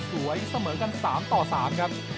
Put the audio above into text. เสมอกันสามต่อสามครับ